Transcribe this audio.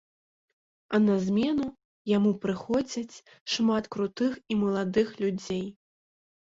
А на змену яму прыходзяць шмат крутых і маладых людзей.